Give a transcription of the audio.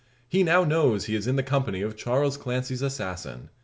He now knows he is in the company of Charles Clancy's assassin.